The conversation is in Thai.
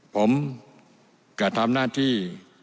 ผมกระทำหน้าที่